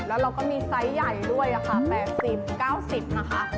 แล้วเราก็มีไซส์ใหญ่ด้วยค่ะ๘๐๙๐นะคะ